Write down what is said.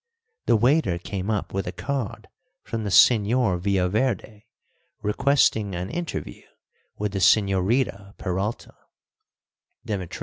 The waiter came up with a card from the Señor Villaverde requesting an interview with the Señorita Peralta.